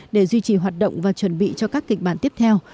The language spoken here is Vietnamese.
để duy trì hoạt động và chuẩn bị cho các kịch bản tiếp theo